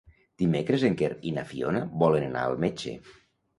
Dimecres en Quer i na Fiona volen anar al metge.